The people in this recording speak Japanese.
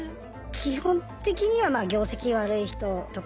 基本的にはまあ業績悪い人とか。